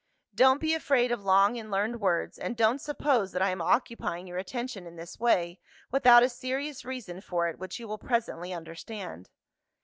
Don't be afraid of long and learned words, and don't suppose that I am occupying your attention in this way, without a serious reason for it which you will presently understand.